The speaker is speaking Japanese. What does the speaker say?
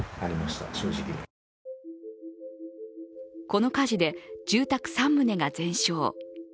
この火事で住宅３棟が全焼。